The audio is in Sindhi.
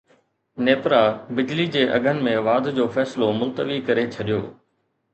نيپرا بجلي جي اگهن ۾ واڌ جو فيصلو ملتوي ڪري ڇڏيو